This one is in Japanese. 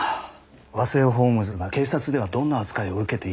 和製ホームズが警察ではどんな扱いを受けているのか。